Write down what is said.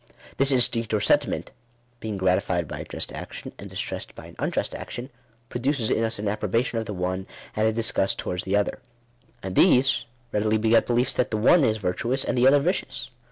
This instinct or senti ment, being gratified by a just action, and distressed by an unjust action, produces in us an approbation of the one, and a disgust towards the other; and these readily beget beliefs that the one is virtuous, and the other vicious.